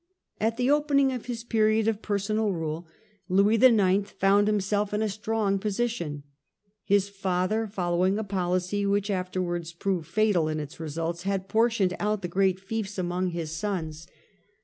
At the opening of his period of personal rule Louis IX. found himself in a strong position. His father, follow ing a policy which afterwards proved fatal in its results, had portioned out the great fiefs among his sons.